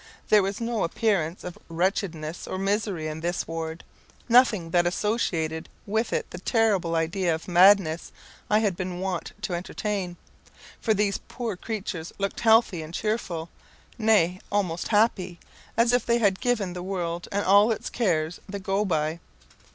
There was no appearance of wretchedness or misery in this ward; nothing that associated with it the terrible idea of madness I had been wont to entertain for these poor creatures looked healthy and cheerful, nay, almost happy, as if they had given the world and all its cares the go by.